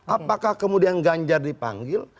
apakah kemudian ganjar dipanggil